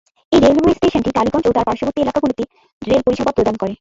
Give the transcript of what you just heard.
এই রেলওয়ে স্টেশনটি টালিগঞ্জ ও তার পার্শ্ববর্তী এলাকাগুলিতে রেল পরিষেবা প্রদান করে।